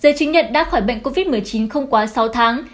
giấy chứng nhận đã khỏi bệnh covid một mươi chín không quá sáu tháng